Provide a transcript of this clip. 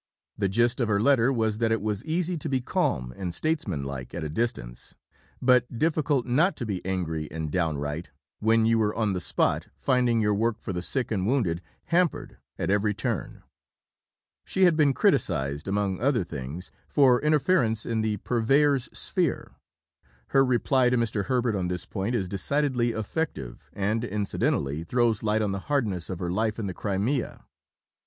The gist of her letter was that it was easy to be calm and "statesmanlike" at a distance, but difficult not to be angry and downright when you were on the spot finding your work for the sick and wounded hampered at every turn. She had been criticized, among other things, for interference in the Purveyor's sphere. Her reply to Mr. Herbert on this point is decidedly effective, and incidentally throws light on the hardness of her life in the Crimea.